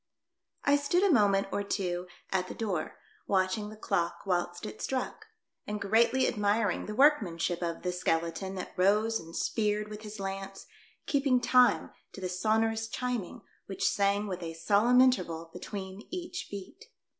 I STOOD a moment or two at the door watch ing the clock whilst it struck, and greatly admiring the workmanship of the skeleton that rose and speared with his lance, keeping time to the sonorous chiming, which sang with a solemn interval between each beat.